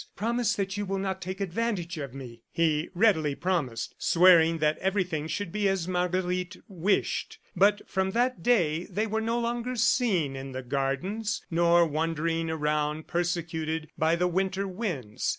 "Promise that you will not take advantage of me." He readily promised, swearing that everything should be as Marguerite wished. ... But from that day they were no longer seen in the gardens, nor wandering around persecuted by the winter winds.